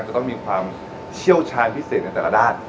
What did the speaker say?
จะต้องมีความเชี่ยวชาญพิเศษในแต่ละด้าน